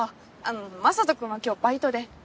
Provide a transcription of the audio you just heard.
雅人君は今日バイトで。